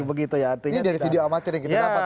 ini dari video amatir yang kita dapat